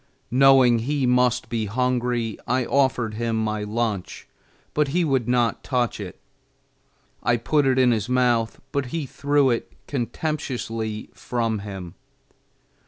Knowing he must be hungry, I offered him my lunch, but he would not touch it. I put it in his mouth, but he threw it contemptuously from him.